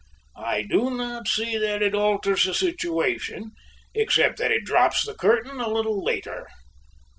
I do not see that it alters the situation, except that it drops the curtain a little later."